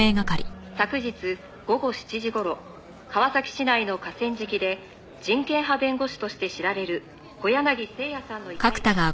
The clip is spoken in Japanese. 「昨日午後７時頃川崎市内の河川敷で人権派弁護士として知られる小柳征矢さんの遺体が発見されました」